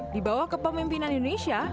di bawah kepemimpinan indonesia